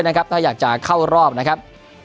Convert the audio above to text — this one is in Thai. ถ้าอยากจะเข้ารอบนะครับ